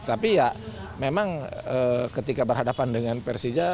tapi ya memang ketika berhadapan dengan persija